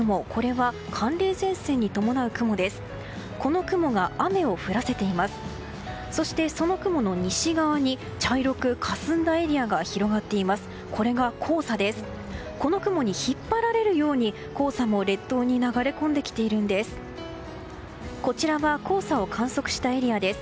この雲に引っ張られるように黄砂も列島に流れ込んできているんです。